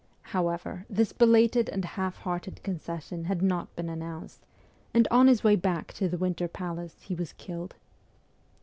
However, this belated and half hearted concession had not been announced, and on his way back to the Winter Palace he was killed.